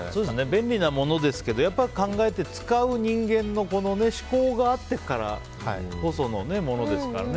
便利なものですけどやっぱり考えて使う人間の思考があっていくからこそのものですからね。